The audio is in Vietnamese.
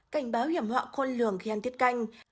cảnh báo hiểm họa khôn lường khi ăn tiết canh